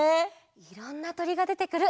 いろんなとりがでてくる